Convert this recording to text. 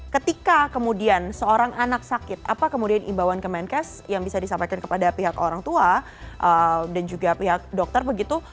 ketika kemudian seorang anak sakit apa kemudian imbauan kemenkes yang bisa disampaikan kepada pihak orang tua dan juga pihak dokter begitu